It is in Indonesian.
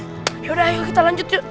yaudah ayo kita lanjut yuk